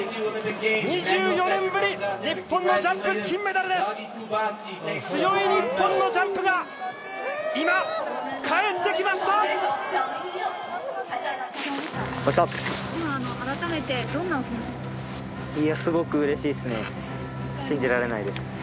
２４年ぶり、日本のジャンプ、金メダルです！